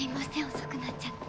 遅くなっちゃって。